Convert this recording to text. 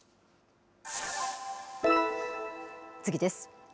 次です。